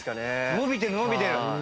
伸びてる伸びてる。